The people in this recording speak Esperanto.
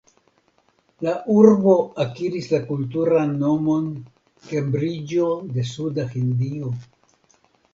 La urbo akiris la kulturan nomon "Kembriĝo de Suda Hindio".